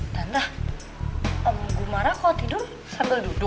tante om gu mara kok tidur sambil duduk